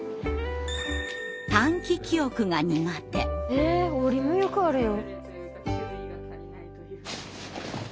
え王林もよくあるよ。